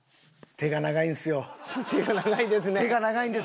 手が長いんです